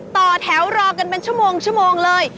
ต่อแถวรอกันเป็นชั่วโมงเลย